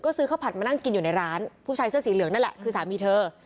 ก็ซื้อข้าวผัดมานั่งกินอยู่ในร้านผู้ชายเสื้อสีเหลืองนั่นแหละคือสามีเธอ